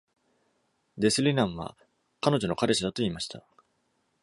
Des Lynam は彼女の彼氏だと言いました。